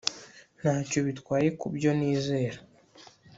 Ntacyo bitwaye kubyo nizera